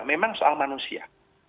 memang soal manusia